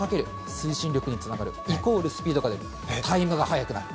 推進力につながるイコールスピードが出るタイムが早くなる。